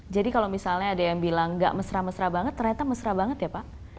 jadi kalau misalnya ada yang bilang tidak mesra mesra banget ternyata mesra banget ya pak